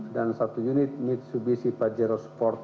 dan satu unit mitsubishi pajero sport